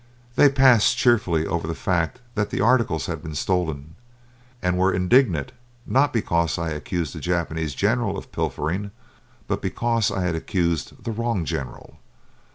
They passed cheerfully over the fact that the articles had been stolen, and were indignant, not because I had accused a Japanese general of pilfering, but because I had accused the wrong general.